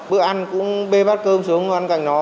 bữa ăn cũng bê bát cơm xuống ăn cạnh nó